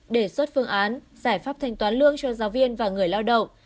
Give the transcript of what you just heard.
đề xuất phương án giải pháp thanh toán lương cho giáo viên và người lao động